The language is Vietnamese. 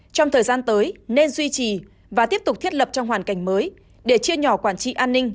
trong thời gian tới nên duy trì và tiếp tục thiết lập trong hoàn cảnh mới để chia nhỏ quản trị an ninh